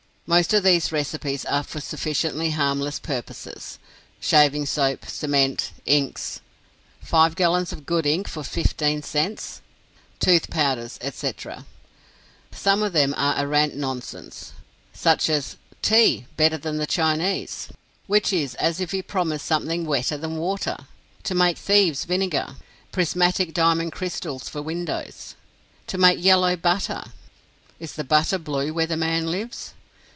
Most of these recipes are for sufficiently harmless purposes shaving soap, cement, inks "five gallons of good ink for fifteen cents" tooth powders, etc. Some of them are arrant nonsense; such as "tea better than the Chinese," which is as if he promised something wetter than water; "to make thieves' vinegar;" "prismatic diamond crystals for windows;" "to make yellow butter" is the butter blue where the man lives?